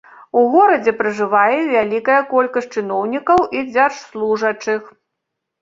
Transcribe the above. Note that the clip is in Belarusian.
У горадзе пражывае вялікая колькасць чыноўнікаў і дзяржслужачых.